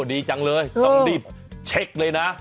ดีจังเลยต้องรีบเช็คเลยนะ